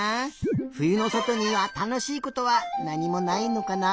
ふゆのそとにはたのしいことはなにもないのかな？